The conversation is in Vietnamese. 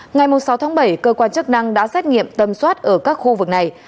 ngày sáu tháng bảy cơ quan chức năng đã xét nghiệm tâm soát ở các khu vực này